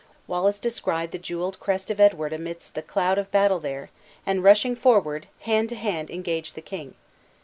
Wallace descried the jeweled crest of Edward amidst the cloud of battle there, and rushing forward, hand to hand engaged the king.